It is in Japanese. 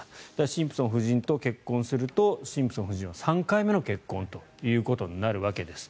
シンプソン夫人と結婚するとシンプソン夫人は３回目の結婚となるわけです。